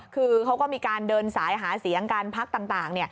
คือเขาก็มีการเดินสายหาเสียงกันพักต่าง